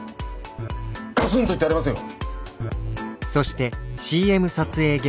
ガツンと言ってやりますよ。